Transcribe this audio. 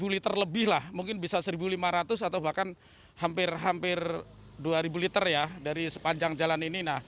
seribu liter lebih lah mungkin bisa seribu lima ratus atau bahkan hampir hampir dua ribu liter ya dari sepanjang jalan ini